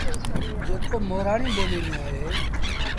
جيڪو مورآڻي ٻوليٚ ميݩ اهي